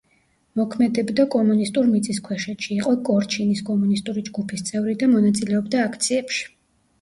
მოქმედებდა კომუნისტურ მიწისქვეშეთში, იყო კორჩინის კომუნისტური ჯგუფის წევრი და მონაწილეობდა აქციებში.